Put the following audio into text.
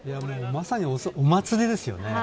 まさに、お祭りですよね。